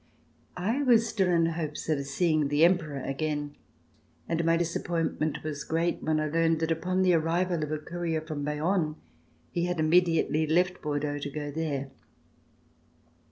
I was still in hopes of seeing the Emperor again, and my disap pointment was great when I learned that upon the arrival of a courier from Bayonne, he had immediately left Bordeaux to go there.